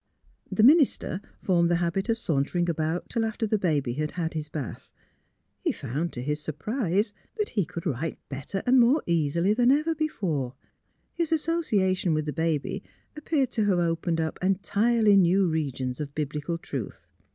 The minister formed the habit of sauntering about till after the baby had had his bath. He found, to his surprise, that he could write bet ter and more easily than ever before; his asso ciation with the baby appeared to have opened up entirely new regions of Biblical truth.